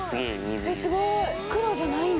すごい！